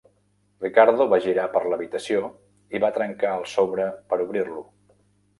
Ricardo va girar per l'habitació i va trencar el sobre per obrir-lo.